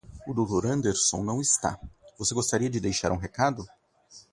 O Dr. Anderson não está, você gostaria de deixar um recado.